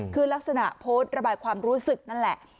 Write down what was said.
คือลักษณะโพสต์ระบายความรู้สึกนั่นแหละ